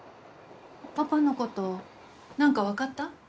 パパのこと何か分かった？